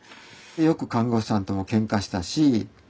よく看護婦さんともけんかしたし。